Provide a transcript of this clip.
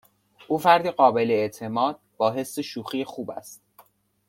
او فردی قابل اعتماد با حس شوخی خوب است.